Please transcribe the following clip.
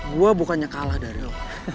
gue bukannya kalah dari allah